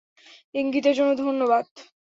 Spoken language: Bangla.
ইঙ্গিতের জন্য ধন্যবাদ।